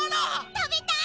たべたい！